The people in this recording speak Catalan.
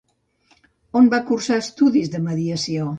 On va cursar estudis de mediació?